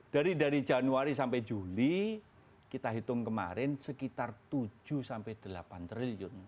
dari januari sampai juli kita hitung kemarin sekitar tujuh sampai delapan triliun